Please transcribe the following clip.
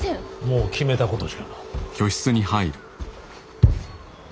もう決めたことじゃ。